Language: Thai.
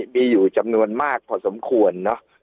มีอยู่จำนวนมากพอสมควรเนอะ